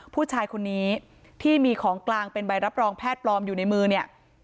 ผู้ชายคนนี้ที่มีของกลางเป็นใบรับรองแพทย์ปลอมอยู่ในมือเนี่ย